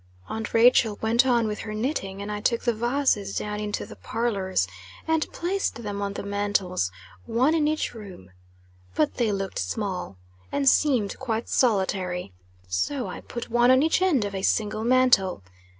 Aunt Rachel went on with her knitting, and I took the vases down into the parlors and placed them on the mantles one in each room. But they looked small, and seemed quite solitary. So I put one on each end of a single mantle.